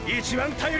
頼り